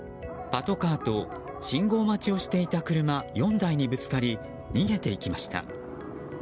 パトカーと信号待ちをしていた車４台にぶつかり逃げていきました。